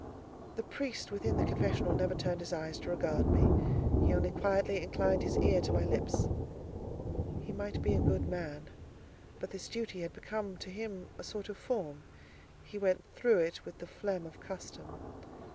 The priest within the confessional never turned his eyes to regard me; he only quietly inclined his ear to my lips. He might be a good man, but this duty had become to him a sort of form: he went through it with the phlegm of custom.